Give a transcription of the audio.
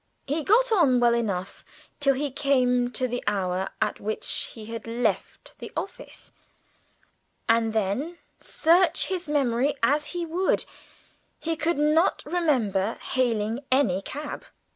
He got on well enough till he came to the hour at which he had left the office, and then, search his memory as he would, he could not remember hailing any cab!